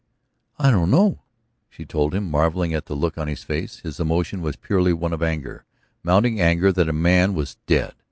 "I don't know," she told him, marvelling at the look on his face. His emotion was purely one of anger, mounting anger that a man was dead?